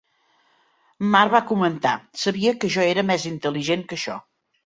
Marr va comentar, sabia que jo era més intel·ligent que això.